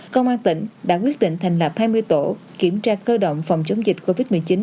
công an tỉnh đã quyết định thành lập hai mươi tổ kiểm tra cơ động phòng chống dịch covid một mươi chín